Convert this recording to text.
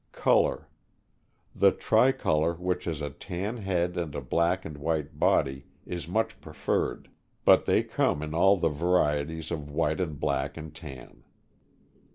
Color. — The tri color, which has a tan head and a black and white body, is much preferred; but they come in all the varieties of white and black and tan.